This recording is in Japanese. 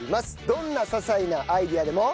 どんな些細なアイデアでも。